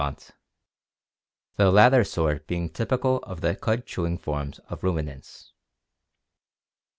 aeKf\vT\, the moon), the latter sort being typical of the cud chewing forms of ruminants.